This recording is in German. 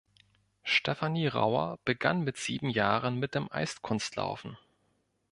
Stephanie Rauer begann mit sieben Jahren mit dem Eiskunstlaufen.